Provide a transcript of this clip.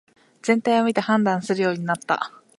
全体を見て判断するようになった